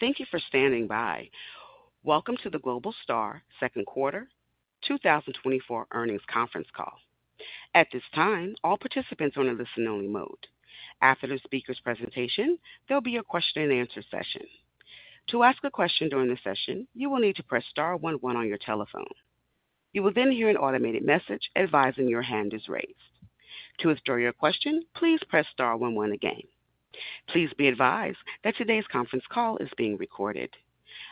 Thank you for standing by. Welcome to the Globalstar second quarter 2024 earnings conference call. At this time, all participants are in a listen-only mode. After the speaker's presentation, there'll be a question-and-answer session. To ask a question during the session, you will need to press star one one on your telephone. You will then hear an automated message advising your hand is raised. To withdraw your question, please press star one one again. Please be advised that today's conference call is being recorded.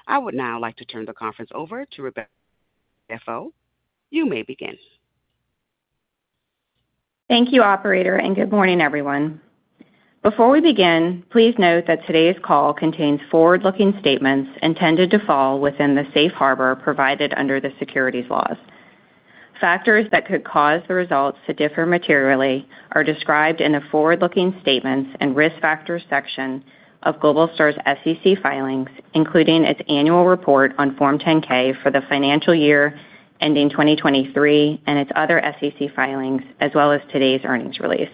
I would now like to turn the conference over to Rebecca Clary. You may begin. Thank you, operator, and good morning, everyone. Before we begin, please note that today's call contains forward-looking statements intended to fall within the safe harbor provided under the securities laws. Factors that could cause the results to differ materially are described in the forward-looking statements and risk factors section of Globalstar's SEC filings, including its annual report on Form 10-K for the financial year ending 2023 and its other SEC filings, as well as today's earnings release.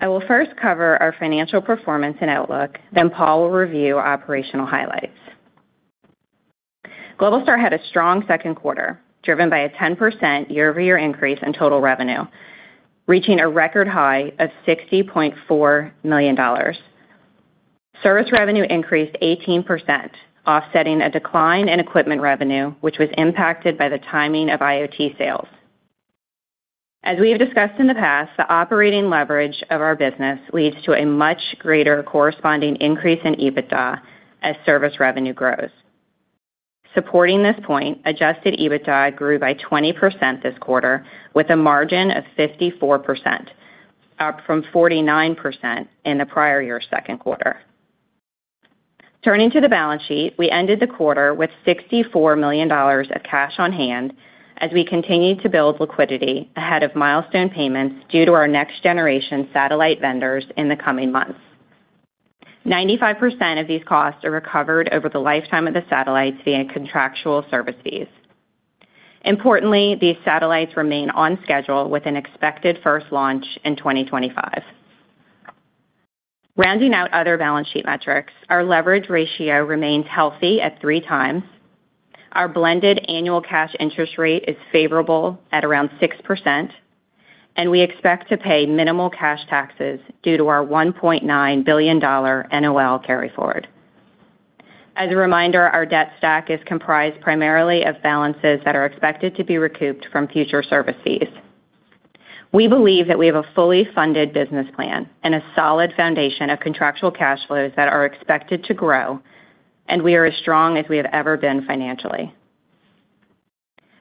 I will first cover our financial performance and outlook, then Paul will review operational highlights. Globalstar had a strong second quarter, driven by a 10% year-over-year increase in total revenue, reaching a record high of $60.4 million. Service revenue increased 18%, offsetting a decline in equipment revenue, which was impacted by the timing of IoT sales. As we have discussed in the past, the operating leverage of our business leads to a much greater corresponding increase in EBITDA as service revenue grows. Supporting this point, Adjusted EBITDA grew by 20% this quarter with a margin of 54%, up from 49% in the prior year's second quarter. Turning to the balance sheet, we ended the quarter with $64 million of cash on hand as we continued to build liquidity ahead of milestone payments due to our next-generation satellite vendors in the coming months. 95% of these costs are recovered over the lifetime of the satellites via contractual service fees. Importantly, these satellites remain on schedule with an expected first launch in 2025. Rounding out other balance sheet metrics, our leverage ratio remains healthy at 3x. Our blended annual cash interest rate is favorable at around 6%, and we expect to pay minimal cash taxes due to our $1.9 billion NOL carryforward. As a reminder, our debt stack is comprised primarily of balances that are expected to be recouped from future service fees. We believe that we have a fully funded business plan and a solid foundation of contractual cash flows that are expected to grow, and we are as strong as we have ever been financially.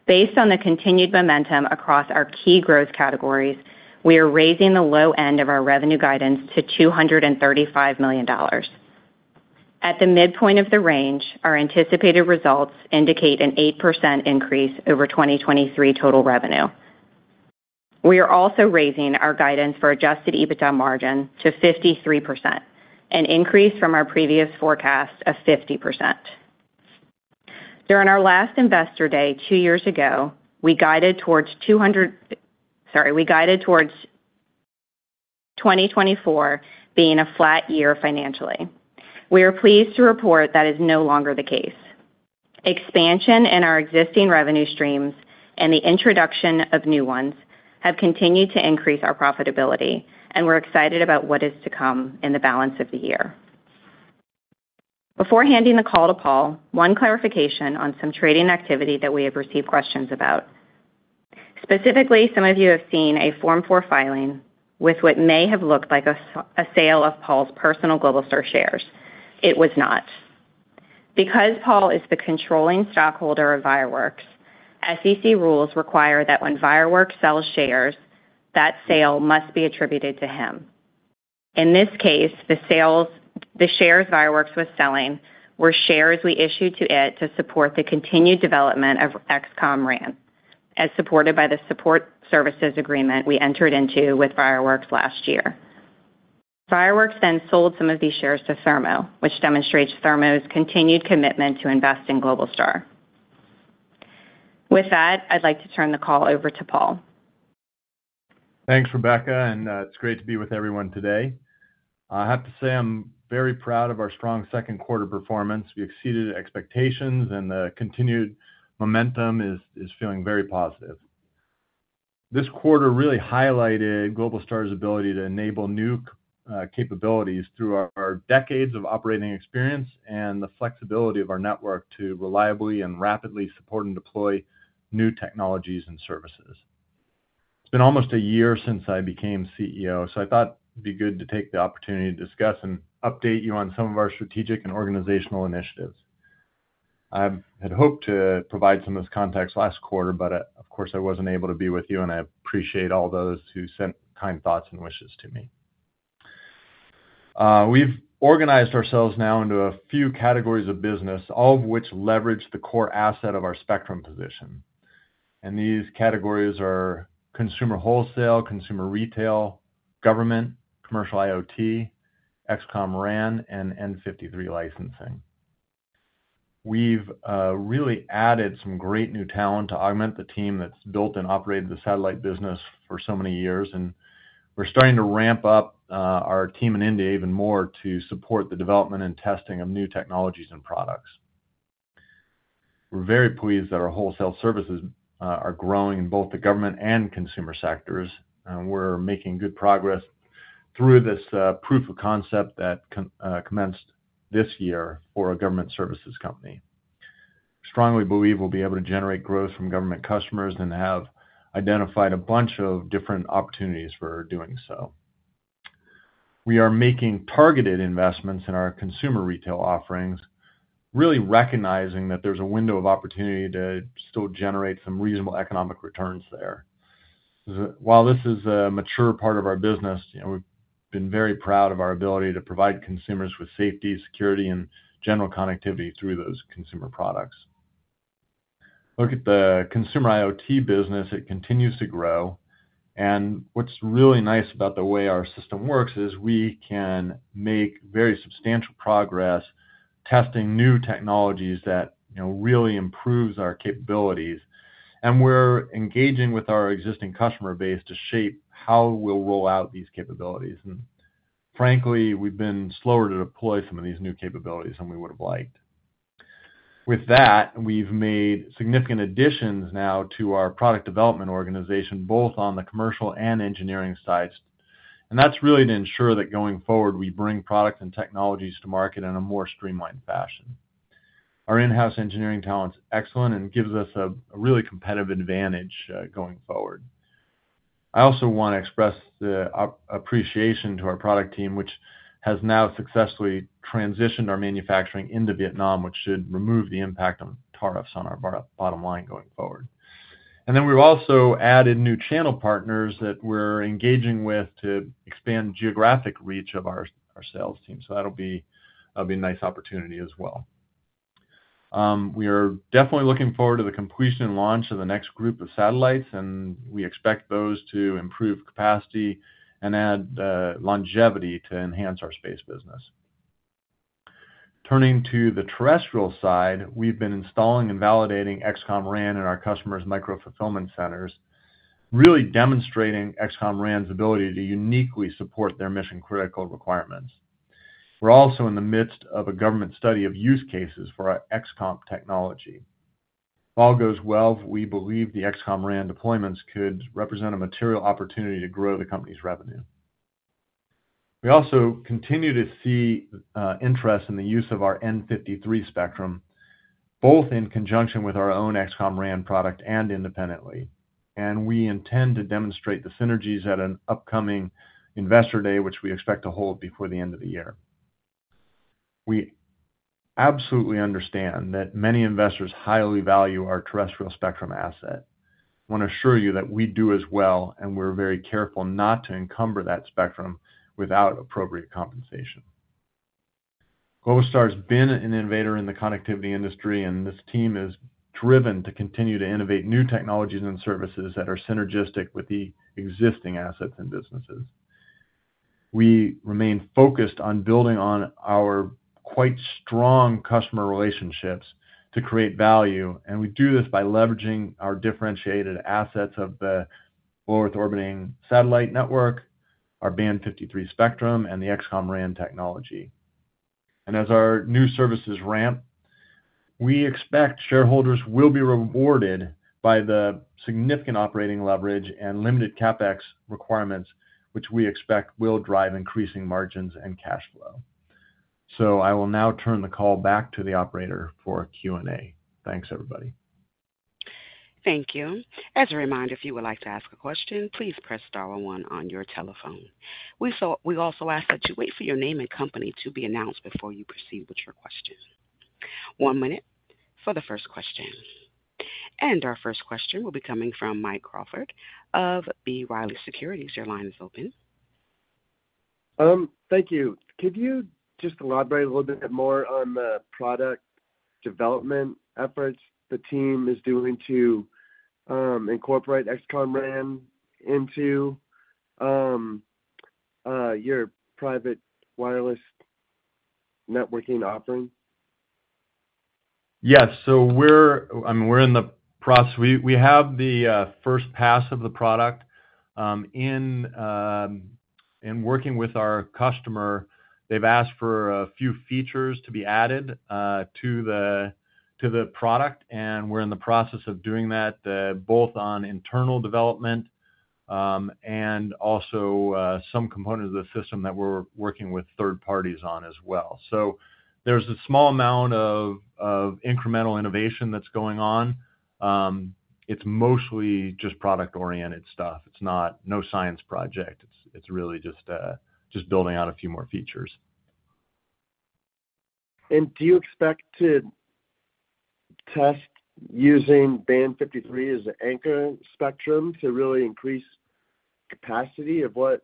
Based on the continued momentum across our key growth categories, we are raising the low end of our revenue guidance to $235 million. At the midpoint of the range, our anticipated results indicate an 8% increase over 2023 total revenue. We are also raising our guidance for Adjusted EBITDA margin to 53%, an increase from our previous forecast of 50%. During our last Investor Day, two years ago, we guided towards... Sorry, we guided towards 2024 being a flat year financially. We are pleased to report that is no longer the case. Expansion in our existing revenue streams and the introduction of new ones have continued to increase our profitability, and we're excited about what is to come in the balance of the year. Before handing the call to Paul, one clarification on some trading activity that we have received questions about. Specifically, some of you have seen a Form 4 filing with what may have looked like a sale of Paul's personal Globalstar shares. It was not. Because Paul is the controlling stockholder of ViaWorks, SEC rules require that when ViaWorks sells shares, that sale must be attributed to him. In this case, the shares ViaWorks was selling were shares we issued to it to support the continued development of XCOM RAN, as supported by the support services agreement we entered into with ViaWorks last year. ViaWorks then sold some of these shares to Thermo, which demonstrates Thermo's continued commitment to invest in Globalstar. With that, I'd like to turn the call over to Paul. Thanks, Rebecca, and it's great to be with everyone today. I have to say I'm very proud of our strong second quarter performance. We exceeded expectations, and the continued momentum is feeling very positive. This quarter really highlighted Globalstar's ability to enable new capabilities through our decades of operating experience and the flexibility of our network to reliably and rapidly support and deploy new technologies and services. It's been almost a year since I became CEO, so I thought it'd be good to take the opportunity to discuss and update you on some of our strategic and organizational initiatives. I had hoped to provide some of this context last quarter, but, of course, I wasn't able to be with you, and I appreciate all those who sent kind thoughts and wishes to me. We've organized ourselves now into a few categories of business, all of which leverage the core asset of our spectrum position. These categories are consumer wholesale, consumer retail, government, commercial IoT, XCOM RAN, and n53 licensing. We've really added some great new talent to augment the team that's built and operated the satellite business for so many years, and we're starting to ramp up our team in India even more to support the development and testing of new technologies and products. We're very pleased that our wholesale services are growing in both the government and consumer sectors, and we're making good progress through this proof of concept that commenced this year for a government services company. Strongly believe we'll be able to generate growth from government customers and have identified a bunch of different opportunities for doing so. We are making targeted investments in our consumer retail offerings, really recognizing that there's a window of opportunity to still generate some reasonable economic returns there. While this is a mature part of our business, you know, we've been very proud of our ability to provide consumers with safety, security, and general connectivity through those consumer products. Look at the consumer IoT business, it continues to grow, and what's really nice about the way our system works is we can make very substantial progress testing new technologies that, you know, really improves our capabilities. And we're engaging with our existing customer base to shape how we'll roll out these capabilities. And frankly, we've been slower to deploy some of these new capabilities than we would have liked. With that, we've made significant additions now to our product development organization, both on the commercial and engineering sides, and that's really to ensure that going forward, we bring products and technologies to market in a more streamlined fashion. Our in-house engineering talent's excellent and gives us a really competitive advantage going forward. I also want to express the appreciation to our product team, which has now successfully transitioned our manufacturing into Vietnam, which should remove the impact of tariffs on our bottom line going forward. And then we've also added new channel partners that we're engaging with to expand geographic reach of our sales team. So that'll be a nice opportunity as well. We are definitely looking forward to the completion and launch of the next group of satellites, and we expect those to improve capacity and add longevity to enhance our space business. Turning to the terrestrial side, we've been installing and validating XCOM RAN in our customers' micro-fulfillment centers, really demonstrating XCOM RAN's ability to uniquely support their mission-critical requirements. We're also in the midst of a government study of use cases for our XCOM technology. If all goes well, we believe the XCOM RAN deployments could represent a material opportunity to grow the company's revenue. We also continue to see interest in the use of our n53 spectrum, both in conjunction with our own XCOM RAN product and independently, and we intend to demonstrate the synergies at an upcoming Investor Day, which we expect to hold before the end of the year. We absolutely understand that many investors highly value our terrestrial spectrum asset. Want to assure you that we do as well, and we're very careful not to encumber that spectrum without appropriate compensation. Globalstar's been an innovator in the connectivity industry, and this team is driven to continue to innovate new technologies and services that are synergistic with the existing assets and businesses. We remain focused on building on our quite strong customer relationships to create value, and we do this by leveraging our differentiated assets of the low Earth orbiting satellite network, our Band 53 spectrum, and the XCOM RAN technology. And as our new services ramp, we expect shareholders will be rewarded by the significant operating leverage and limited CapEx requirements, which we expect will drive increasing margins and cash flow. So I will now turn the call back to the operator for Q&A. Thanks, everybody. Thank you. As a reminder, if you would like to ask a question, please press star one on your telephone. We also ask that you wait for your name and company to be announced before you proceed with your question. One minute for the first question. Our first question will be coming from Mike Crawford of B. Riley Securities. Your line is open. Thank you. Could you just elaborate a little bit more on the product development efforts the team is doing to incorporate XCOM RAN into your private wireless networking offering? Yes. So I mean, we're in the process. We have the first pass of the product. In working with our customer, they've asked for a few features to be added to the product, and we're in the process of doing that, both on internal development, and also, some components of the system that we're working with third parties on as well. So there's a small amount of incremental innovation that's going on. It's mostly just product-oriented stuff. It's not no science project. It's really just building out a few more features. Do you expect to test using Band 53 as an anchor spectrum to really increase capacity of what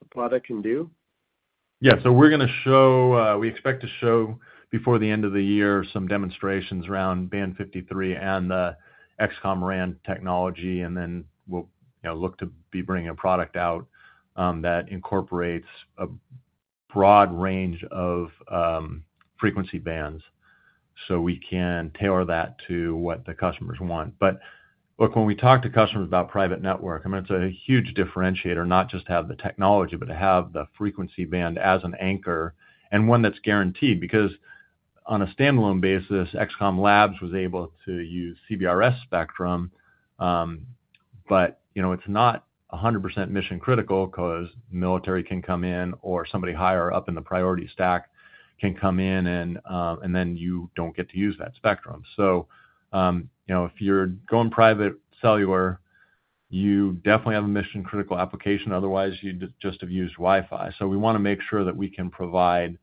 the product can do? Yeah. So we're gonna show, we expect to show, before the end of the year, some demonstrations around Band 53 and the XCOM RAN technology, and then we'll, you know, look to be bringing a product out, that incorporates a broad range of, frequency bands, so we can tailor that to what the customers want. But look, when we talk to customers about private network, I mean, it's a huge differentiator, not just to have the technology, but to have the frequency band as an anchor, and one that's guaranteed. Because on a standalone basis, XCOM Labs was able to use CBRS spectrum, but, you know, it's not 100% mission-critical 'cause military can come in or somebody higher up in the priority stack can come in, and, and then you don't get to use that spectrum. So, you know, if you're going private cellular, you definitely have a mission-critical application, otherwise, you'd just have used Wi-Fi. So we wanna make sure that we can provide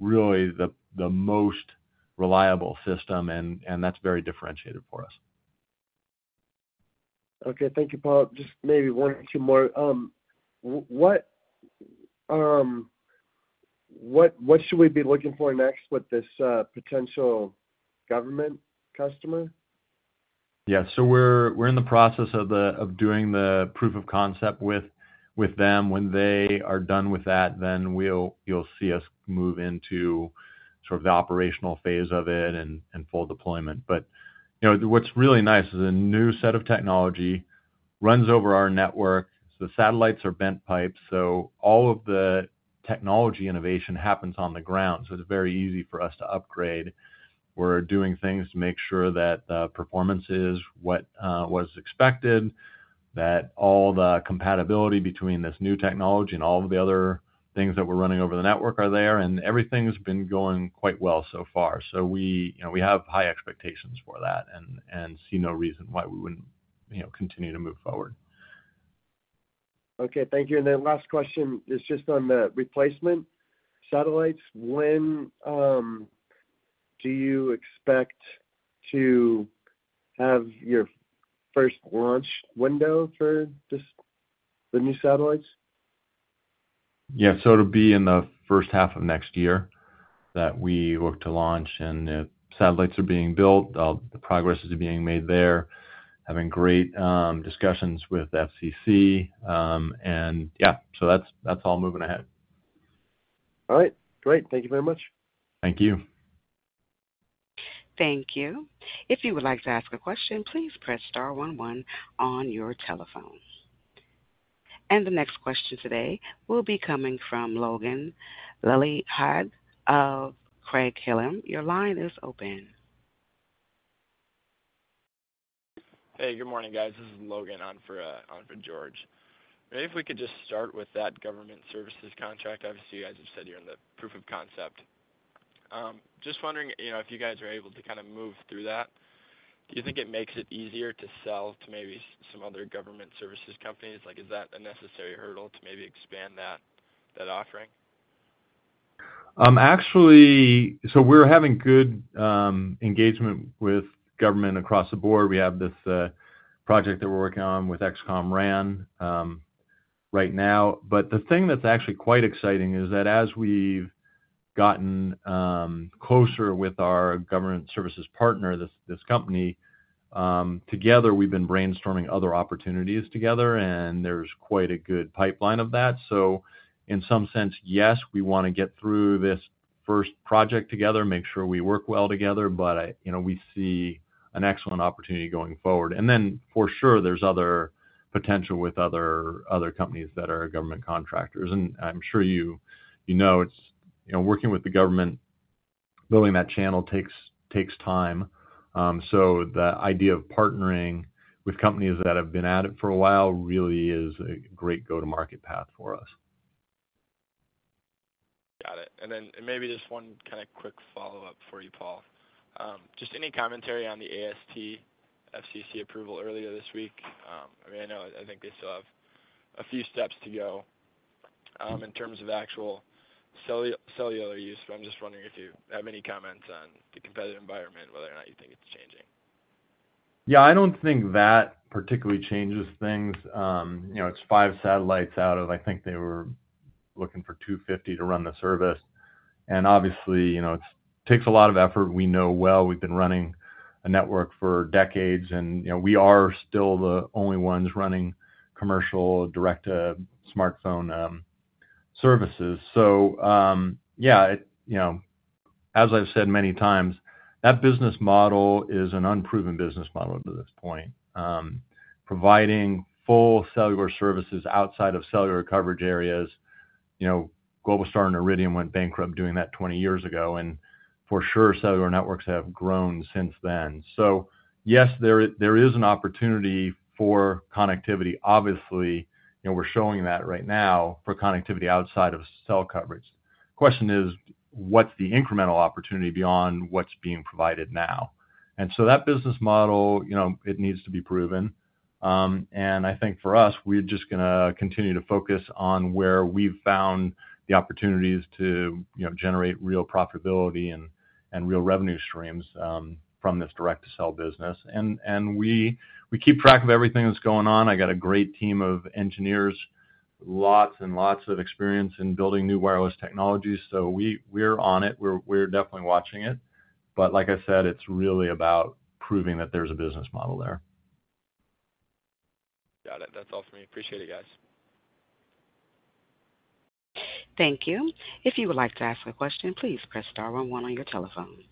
really the most reliable system, and that's very differentiated for us. Okay. Thank you, Paul. Just maybe one or two more. What should we be looking for next with this potential government customer? Yeah. So we're in the process of doing the proof of concept with them. When they are done with that, then we'll—you'll see us move into sort of the operational phase of it and full deployment. But, you know, what's really nice is a new set of technology runs over our network. So the satellites are bent pipes, so all of the technology innovation happens on the ground, so it's very easy for us to upgrade. We're doing things to make sure that the performance is what was expected, that all the compatibility between this new technology and all of the other things that we're running over the network are there, and everything's been going quite well so far. So we, you know, we have high expectations for that and see no reason why we wouldn't, you know, continue to move forward. Okay. Thank you. And then last question is just on the replacement satellites. When do you expect to have your first launch window for this, the new satellites? Yeah. So it'll be in the first half of next year that we look to launch, and the satellites are being built. The progress is being made there, having great discussions with FCC. And yeah, so that's, that's all moving ahead. All right, great. Thank you very much. Thank you. Thank you. If you would like to ask a question, please press star one one on your telephone. The next question today will be coming from Logan Lillehaug of Craig-Hallum. Your line is open. Hey, good morning, guys. This is Logan on for George. Maybe if we could just start with that government services contract. Obviously, you guys have said you're in the proof of concept. Just wondering, you know, if you guys are able to kind of move through that, do you think it makes it easier to sell to maybe some other government services companies? Like, is that a necessary hurdle to maybe expand that, that offering? Actually, so we're having good engagement with government across the board. We have this project that we're working on with XCOM RAN right now. But the thing that's actually quite exciting is that as we've gotten closer with our government services partner, this company, together, we've been brainstorming other opportunities together, and there's quite a good pipeline of that. So in some sense, yes, we wanna get through this first project together, make sure we work well together, but I-- you know, we see an excellent opportunity going forward. And then for sure, there's other potential with other companies that are government contractors. And I'm sure you know, it's, you know, working with the government, building that channel takes time. So, the idea of partnering with companies that have been at it for a while really is a great go-to-market path for us. Got it. Then maybe just one kind of quick follow-up for you, Paul. Just any commentary on the AST FCC approval earlier this week? I mean, I know, I think they still have a few steps to go, in terms of actual cellular use. So I'm just wondering if you have any comments on the competitive environment, whether or not you think it's changing. Yeah, I don't think that particularly changes things. You know, it's five satellites out of... I think they were looking for 250 to run the service. And obviously, you know, it takes a lot of effort. We know well, we've been running a network for decades, and, you know, we are still the only ones running commercial direct to smartphone services. So, yeah, it, you know, as I've said many times, that business model is an unproven business model up to this point. Providing full cellular services outside of cellular coverage areas, you know, Globalstar and Iridium went bankrupt doing that 20 years ago, and for sure, cellular networks have grown since then. So yes, there is, there is an opportunity for connectivity, obviously, and we're showing that right now, for connectivity outside of cell coverage. The question is: What's the incremental opportunity beyond what's being provided now? And so that business model, you know, it needs to be proven. And I think for us, we're just gonna continue to focus on where we've found the opportunities to, you know, generate real profitability and, and real revenue streams, from this direct-to-cell business. And, and we, we keep track of everything that's going on. I got a great team of engineers, lots and lots of experience in building new wireless technologies, so we're on it. We're, we're definitely watching it. But like I said, it's really about proving that there's a business model there. Got it. That's all for me. Appreciate it, guys. Thank you. If you would like to ask a question, please press star one one on your telephone.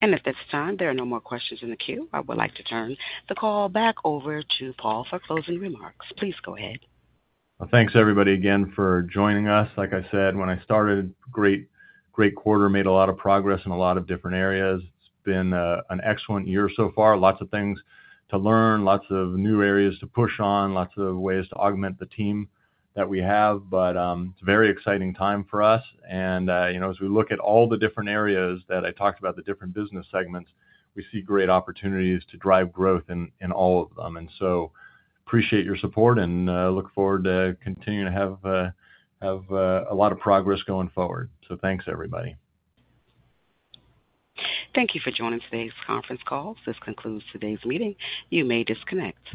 At this time, there are no more questions in the queue. I would like to turn the call back over to Paul for closing remarks. Please go ahead. Well, thanks, everybody, again, for joining us. Like I said, when I started, great, great quarter, made a lot of progress in a lot of different areas. It's been an excellent year so far. Lots of things to learn, lots of new areas to push on, lots of ways to augment the team that we have. But it's a very exciting time for us, and you know, as we look at all the different areas that I talked about, the different business segments, we see great opportunities to drive growth in all of them. So appreciate your support, and look forward to continuing to have, have a lot of progress going forward. So thanks, everybody. Thank you for joining today's conference call. This concludes today's meeting. You may disconnect.